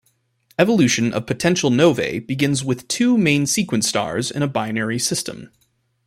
Evolution of potential novae begins with two main sequence stars in a binary system.